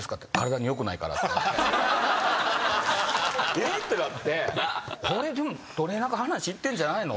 「ええっ？」ってなって「あれ？でもトレーナーから話いってんじゃないの？」